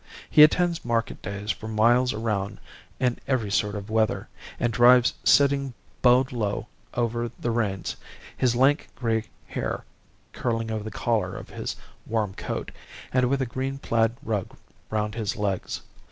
He attends market days for miles around in every sort of weather, and drives sitting bowed low over the reins, his lank grey hair curling over the collar of his warm coat, and with a green plaid rug round his legs.